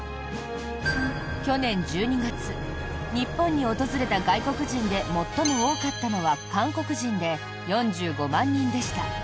去年１２月日本に訪れた外国人で最も多かったのは韓国人で４５万人でした。